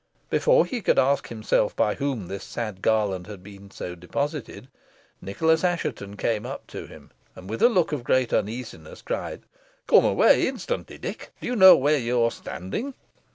Before he could ask himself by whom this sad garland had been so deposited, Nicholas Assheton came up to him, and with a look of great uneasiness cried, "Come away instantly, Dick. Do you know where you are standing?"